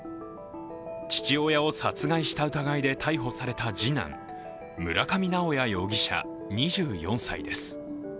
父親を殺害した疑いで逮捕された次男村上直哉容疑者２４歳です。